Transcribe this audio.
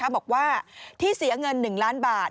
บอกว่าที่เสียเงิน๑ล้านบาท